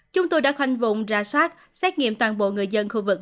chúng tôi đã khoanh vùng ra soát xét nghiệm toàn bộ người dân khu vực